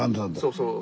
そうそう。